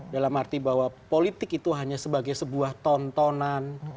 dalam arti bahwa politik itu hanya sebagai sebuah tontonan